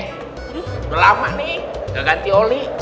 sudah lama nih gak ganti oli